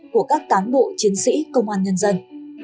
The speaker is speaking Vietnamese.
của các cán bộ chiến sĩ công an nhân dân